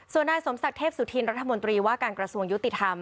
ส่วนนายสมศักดิ์เทพสุธินรัฐมนตรีว่าการกระทรวงยุติธรรม